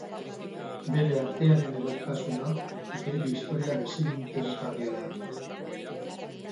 Bere artearen edertasuna bere historia bezain interesgarria da.